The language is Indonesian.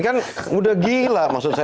kan udah gila maksud saya